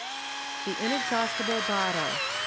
The Inexhaustible Bottle.